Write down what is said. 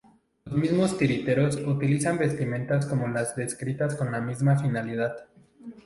Los mismos titiriteros utilizan vestimentas como las descritas con la misma finalidad.